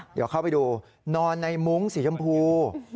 เดี๋ยวเข้าไปดูนอนในมุ้งสีชมพู